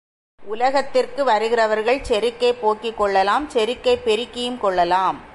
உலகத்திற்கு வருகிறவர்கள் செருக்கைப் போக்கிக் கொள்ளலாம் செருக்கைப் பெருக்கியும் கொள்ளலாம்.